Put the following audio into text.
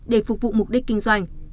để phục vụ mục đích kinh doanh